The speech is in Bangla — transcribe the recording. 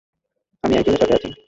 আমি একজনের সাথে আছি।